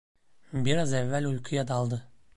Biraz evvel uykuya daldı.